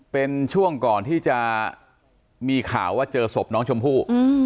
เป็นช่วงก่อนที่จะมีข่าวว่าเจอศพน้องชมพู่